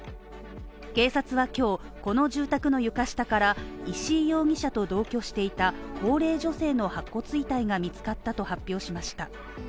警察は今日、この住宅の床下から石井容疑者と同居していた高齢女性の白骨遺体が見つかったと発表しました。